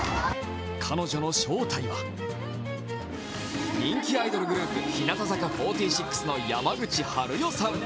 彼女の正体は人気アイドルグループ日向坂４６の山口陽世さん。